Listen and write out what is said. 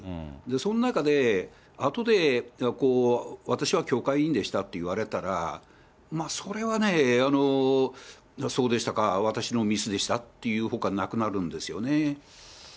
その中で、あとで私は教会員でしたって言われたら、まあそれはね、そうでしたか、私のミスでしたって言うほかなくなるんですよね。